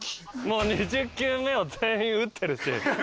もう２０球目を全員打ってるし。